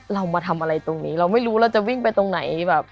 เรามาทำอะไรตรงนี้เราไม่รู้เราจะวิ่งไปตรงไหนแบบ